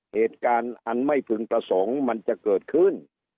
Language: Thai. เหตุการณ์อันไม่พึงประสงค์มันจะเกิดขึ้น